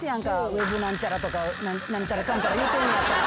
ウェブ何ちゃらとか何たらかんたら言うてんねやったら。